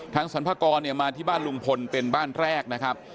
สรรพากรมาที่บ้านลุงพลเป็นบ้านแรกนะครับ